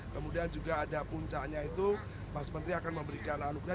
kemudian juga ada puncaknya itu mas menteri akan memberikan anugerah